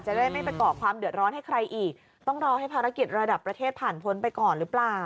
จะได้ไม่ไปก่อความเดือดร้อนให้ใครอีกต้องรอให้ภารกิจระดับประเทศผ่านพ้นไปก่อนหรือเปล่า